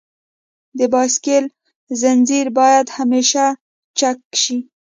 د بایسکل زنجیر باید همیشه چک شي.